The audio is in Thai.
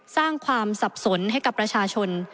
สร้างความสับสนให้กับประชาชน